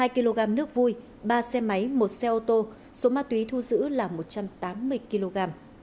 hai kg nước vui ba xe máy một xe ô tô số ma túy thu giữ là một trăm tám mươi kg